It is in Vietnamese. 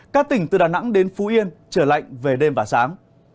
các tỉnh từ đà nẵng đến phú yên trở lạnh về đêm và sáng